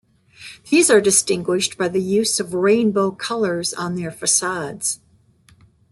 These are distinguished by the use of rainbow colors on their facades.